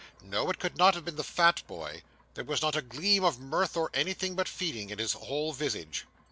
No; it could not have been the fat boy; there was not a gleam of mirth, or anything but feeding in his whole visage.